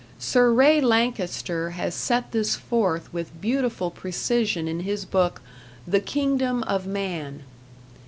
Sir Ray Lankester has set this forth with beautiful precision in his book, "The Kingdom of Man".